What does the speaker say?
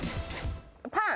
パン。